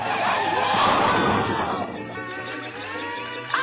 あ！